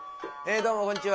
どうもこんにちは。